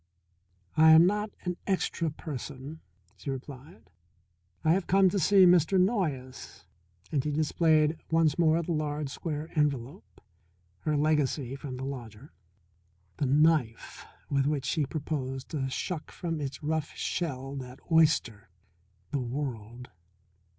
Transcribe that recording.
"I am not an extra person," she replied. "I have come to see Mr. Noyes," and she displayed once more the large square envelope, her legacy from the lodger, the knife with which she proposed to shuck from its rough shell that oyster, the world.